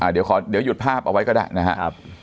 เดี๋ยวหยุดภาพเอาไว้ก็ได้นะครับ